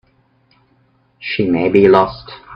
She may be lost.